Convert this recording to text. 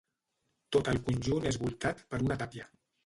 Tot el conjunt és voltat per una tàpia.